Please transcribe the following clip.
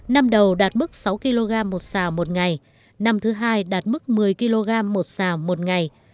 năm đầu đạt mức sáu kg một xào một ngày năm thứ hai đạt mức một mươi kg một xào một ngày